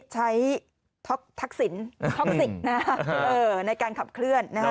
ใช้ท็อกสินนะฮะเออในการขับเคลื่อนนะฮะ